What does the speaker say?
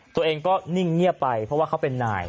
ตัวเองก็นิ่งเงียบไปเพราะว่าเขาเป็นนาย